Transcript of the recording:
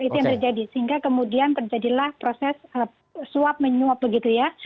itu yang terjadi sehingga kemudian terjadilah proses suap menyuap begitu ya